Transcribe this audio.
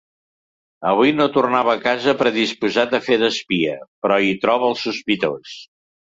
Avui no tornava a casa predisposat a fer d'espia, però hi troba el sospitós.